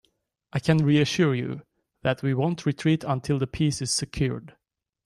I can reassure you, that we won't retreat until the peace is secured.